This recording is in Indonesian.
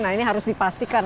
nah ini harus dipastikan